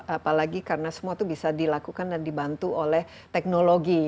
apalagi karena semua itu bisa dilakukan dan dibantu oleh teknologi